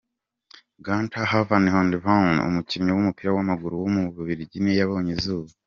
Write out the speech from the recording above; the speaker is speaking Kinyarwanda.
Gunter Van Handenhoven, umukinnyi w’umupira w’amaguru w’umubiligi yabonye izuba.